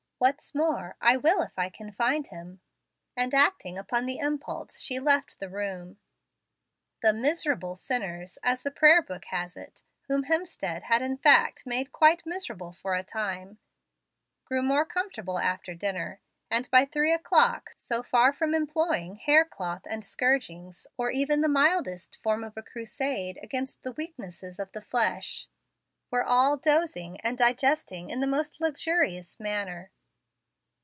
"What's more, I will if I can find him"; and acting upon the impulse she left the room. The "miserable sinners," as the prayer book has it, whom Hemstead had in fact made quite miserable for a time, grew more comfortable after dinner; and by three o'clock, so far from employing hair cloth and scourgings, or even the mildest form of a crusade against the weaknesses of the flesh, were all dozing and digesting in the most luxurious manner.